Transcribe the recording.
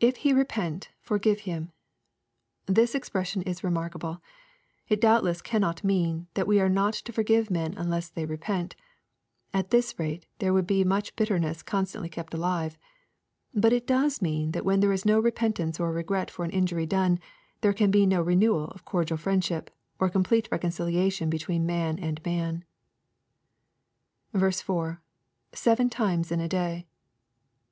[If he repent, forgive him.] This expression is remarkable. It doubtless cannot mean, that we are not to forgive men unless they do repent At this rate there would be much bitterness constantly kept alive. But it does mean that when there is no repentance or regret for an injury done, there can be no renewal of cordial friendship, or complete reconciUation between man and man. 4. — [Seven times in a day.